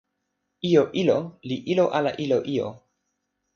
ijo ilo li ilo ala ilo ijo?